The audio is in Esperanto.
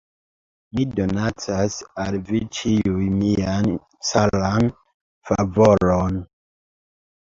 Mi donacas al vi ĉiuj mian caran favoron.